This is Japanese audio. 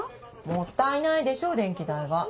もったいないでしょ電気代が。